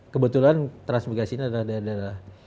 kebetulan transmigrasi ini adalah